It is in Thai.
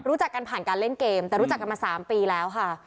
รู้จักกันผ่านการเล่นเกมแต่รู้จักกันมา๓ปีแล้วค่ะ